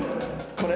これ？